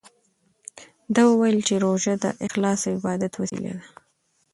ده وویل چې روژه د اخلاص او عبادت وسیله ده.